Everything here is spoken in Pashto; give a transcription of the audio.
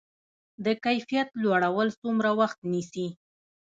د کیفیت لوړول څومره وخت نیسي؟